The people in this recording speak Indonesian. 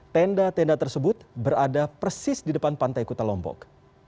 tenda tenda tersebut berada persis di depan pantai kuta lombok